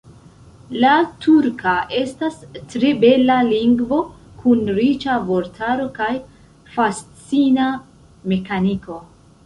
La turka estas tre bela lingvo kun riĉa vortaro kaj fascina mekaniko.